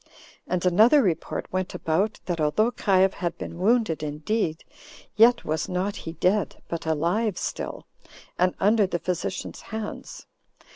And another report went about, that although Caius had been wounded indeed, yet was not he dead, but alive still, and under the physician's hands.